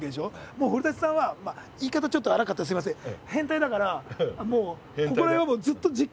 もう古さんは言い方ちょっとあらかったらすいません。